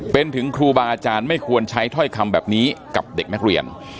เป็นถึงครูบาอาจารย์ไม่ควรใช้ถ้อยคำแบบนี้กับเด็กนักเรียน